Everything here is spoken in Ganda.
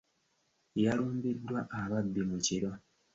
Yalumbiddwa ababbi mu kiro.